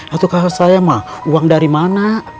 atu kata saya mah uang dari mana